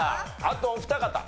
あとお二方。